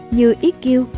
như ý kiêu